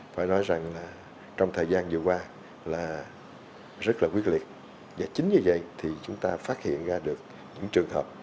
phải nói rằng là trong thời gian vừa qua là rất là quyết liệt và chính vì vậy thì chúng ta phát hiện ra được những trường hợp